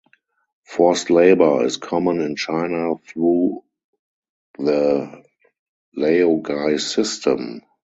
Forced labor is common in China through the laogai system.